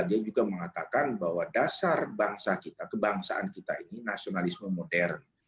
dia juga mengatakan bahwa dasar bangsa kita kebangsaan kita ini nasionalisme modern